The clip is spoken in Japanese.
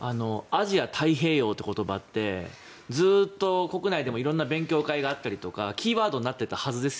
アジア太平洋っていう言葉って、ずっと国内でもいろいろな勉強会だったりキーワードになっていたはずです。